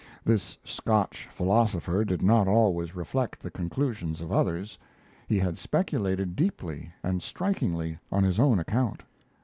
This Scotch philosopher did not always reflect the conclusions of others; he had speculated deeply and strikingly on his own account.